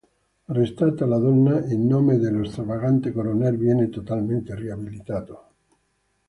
Arrestata la donna, il nome dello stravagante coroner viene totalmente riabilitato.